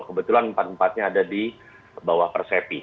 kebetulan empat empatnya ada di bawah persepi